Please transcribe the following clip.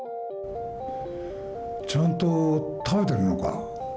ちゃんと食べてるのか？